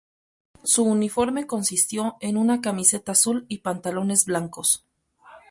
Su uniforme consistió en una camiseta azul y pantalones blancos.